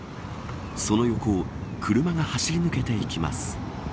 その横を車が走り抜けていきます。